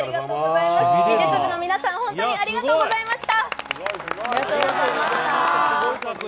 美術部の皆さん、本当にありがとうございました。